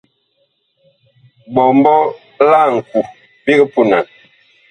Ɓɔmbɔ la ŋku big punan.